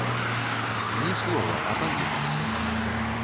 Ні слова, а павінны!